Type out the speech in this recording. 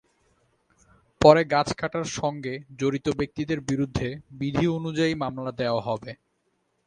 পরে গাছ কাটার সঙ্গে জড়িত ব্যক্তিদের বিরুদ্ধে বিধি অনুযায়ী মামলা দেওয়া হবে।